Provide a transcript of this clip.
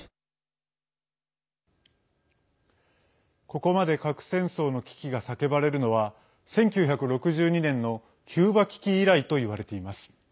ここまで核戦争の危機が叫ばれるのは１９６２年のキューバ危機以来といわれています。